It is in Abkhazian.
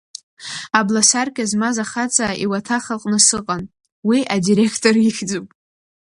Абласаркьа змаз ахаҵа иуаҭах аҟны сыҟан, уи адиректор ихьӡуп.